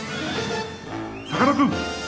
さかなクン。